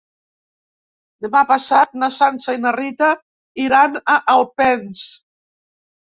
Demà passat na Sança i na Rita iran a Alpens.